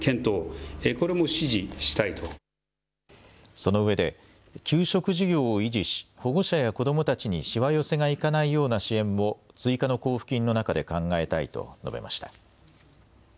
そのうえで給食事業を維持し保護者や子どもたちにしわ寄せがいかないような支援も追加の交付金の中で考えたいと述べました。